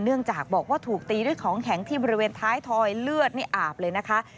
เนื่องจากบอกว่าถูกตีด้วยของแข็งที่บริเวณท้ายทอยเลือดนี่อาบเลยนะคะ